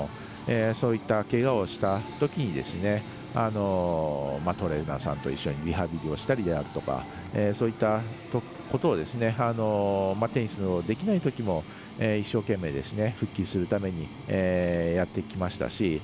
そういった、けがをしたときにトレーナーさんと一緒にリハビリをしたりであるとかそういったことをテニスのできないときも一生懸命、復帰するためにやってきましたし。